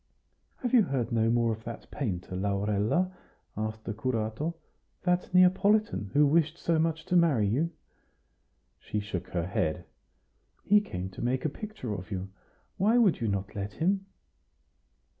"Have you heard no more of that painter, Laurella?" asked the curato "that Neapolitan, who wished so much to marry you?" She shook her head. "He came to make a picture of you. Why would you not let him?"